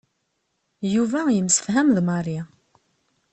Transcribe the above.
Yuba yemsefham d Mary.